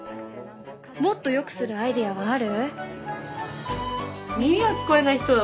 もっとよくするアイデアはある？